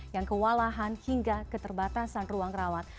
yang kewalahan hingga keterbatasan ruang rawat